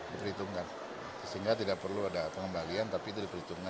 diperhitungkan sehingga tidak perlu ada pengembalian tapi itu diperhitungkan